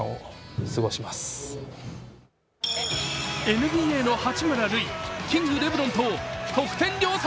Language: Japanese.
ＮＢＡの八村塁、キング・レブロンと得点量産。